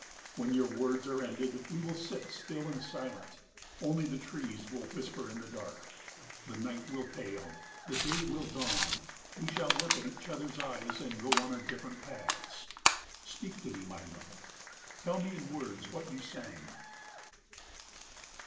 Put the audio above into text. When your words are ended, we will sit still and silent. Only the trees will whisper in the dark. The night will pale. The day will dawn. We shall look at each other's eyes and go on our different paths. Speak to me, my love! Tell me in words what you sang.